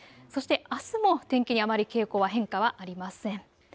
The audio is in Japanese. そしてあすも天気にあまり変化はありません。